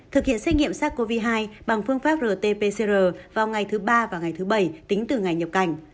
thực hiện xét nghiệm sars cov hai bằng phương pháp rt pcr vào ngày thứ ba và ngày thứ bảy tính từ ngày nhập cảnh